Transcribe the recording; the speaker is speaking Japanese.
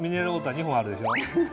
２本あるでしょ。